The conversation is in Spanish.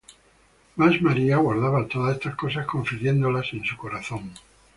Mas María guardaba todas estas cosas, confiriéndolas en su corazón.